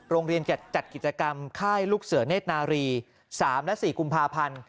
โรงเรียนจัดกิจกรรมค่ายลูกเสือเนธนารี๓และ๔กุมภาพันธ์